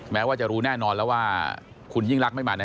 แม้ว่าจะรู้แน่นอนแล้วว่าคุณยิ่งรักไม่มา